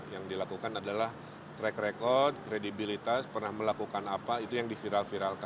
yang dilakukan adalah track record kredibilitas pernah melakukan apa itu yang diviral viralkan